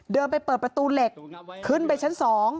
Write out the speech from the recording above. ไปเปิดประตูเหล็กขึ้นไปชั้น๒